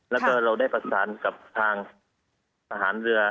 แล้วก็เราได้ประสานกับทางทหารเรือ